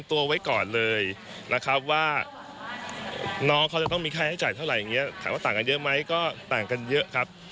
ถามว่าต่างกันเยอะไหมก็ต่างกันเยอะครับ